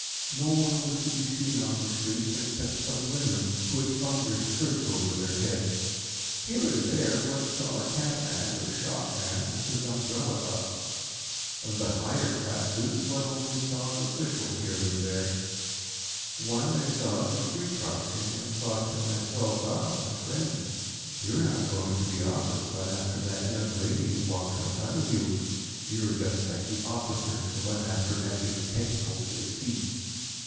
No one was to be seen on the streets except some women, who had flung their skirts over their heads. Here and there one saw a cabman or a shopman with his umbrella up. Of the higher classes one only saw an official here and there. One I saw at the street crossing, and thought to myself, "Ah! my friend, you are not going to the office, but after that young lady who walks in front of you. You are just like the officers who run after every petticoat they see."